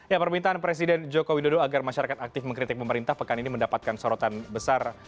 ya permintaan presiden joko widodo agar masyarakat aktif mengkritik pemerintah pekan ini mendapatkan sorotan besar